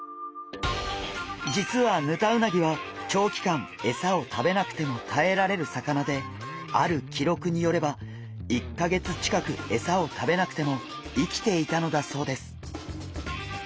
じつはヌタウナギは長期間エサを食べなくてもたえられる魚であるきろくによれば１か月近くエサを食べなくても生きていたのだそうです！